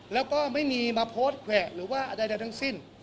แล้วก็ไม่มีมาโพสต์แขวะหรือว่าอะไรทั้งสิ้น